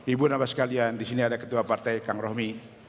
ibu dan bapak sekalian di sini ada ketua partai kang rohmi